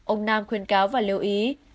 ông nam khuyên cáo và lưu ý